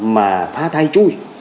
mà phá tai chui